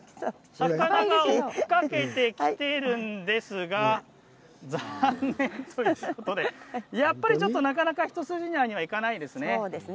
魚を追いかけてきているんですが残念ということでなかなか一筋縄にはいかないですね。